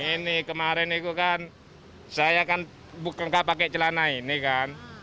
ini kemarin itu kan saya kan nggak pakai celana ini kan